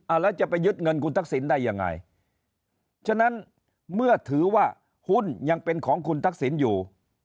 แล้วจะไปยึดเงินคุณทักษิณได้ยังไงฉะนั้นเมื่อถือว่าหุ้นยังเป็นของคุณทักษิณอยู่